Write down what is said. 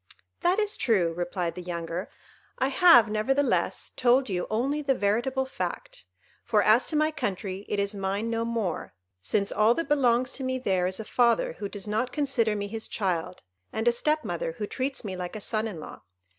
"That is true," replied the younger; "I have, nevertheless, told you only the veritable fact; for as to my country, it is mine no more, since all that belongs to me there is a father who does not consider me his child, and a step mother who treats me like a son in law.